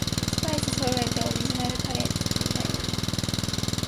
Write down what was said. スパイスそろえてオリジナルカレー作りたい